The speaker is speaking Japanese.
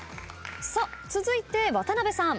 さあ続いて渡辺さん。